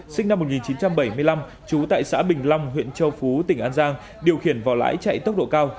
sinh năm một nghìn chín trăm bảy mươi năm trú tại xã bình long huyện châu phú tỉnh an giang điều khiển vỏ lãi chạy tốc độ cao